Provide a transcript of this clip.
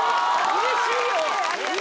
うれしい！